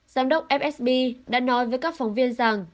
giám đốc fsb đã nói với các phóng viên rằng